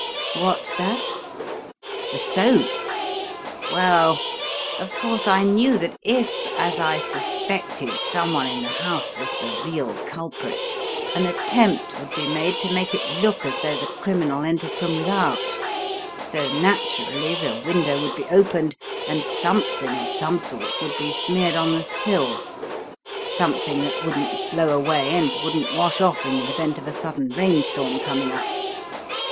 What's that? The soap? Well, of course I knew that if, as I suspected, someone in the house was the real culprit, an attempt would be made to make it look as though the criminal entered from without, so naturally the window would be opened, and something of some sort would be smeared on the sill something that wouldn't blow away and wouldn't wash off in the event of a sudden rainstorm coming up.